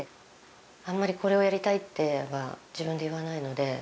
あんまり「これをやりたい」っては自分で言わないので。